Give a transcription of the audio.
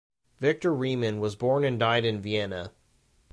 Viktor Reimann was born and died in Vienna.